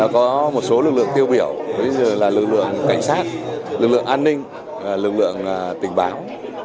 có một số lực lượng tiêu biểu lực lượng cảnh sát lực lượng an ninh lực lượng tình báo